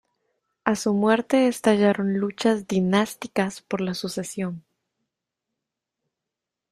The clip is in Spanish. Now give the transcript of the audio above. A su muerte estallaron luchas dinásticas por la sucesión.